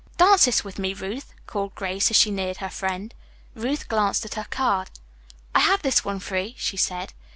"Dance this with me, Ruth," called Grace, as she neared her friend. Ruth glanced at her card. "I have this one free," she said.